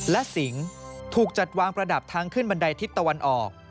และสิงห์ถูกจัดวางประดับทางขึ้นบันไดทิศตะวันออก